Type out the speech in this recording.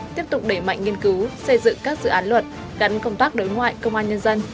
tiếp tục đẩy mạnh nghiên cứu xây dựng các dự án luật gắn công tác đối ngoại công an nhân dân